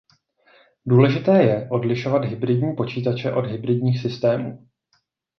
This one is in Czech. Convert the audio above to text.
Důležité je odlišovat hybridní počítače od hybridních systémů.